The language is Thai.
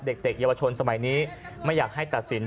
เด็กเยาวชนสมัยนี้ไม่อยากให้ตัดสิน